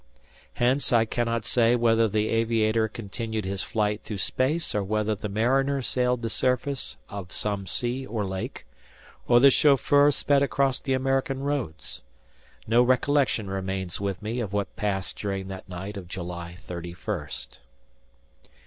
Hence I cannot say whether the aviator continued his flight through space, or whether the mariner sailed the surface of some sea or lake, or the chauffeur sped across the American roads. No recollection remains with me of what passed during that night of July thirty first.